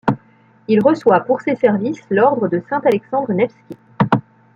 Il reçoit pour ses services l'Ordre de Saint-Alexandre Nevski.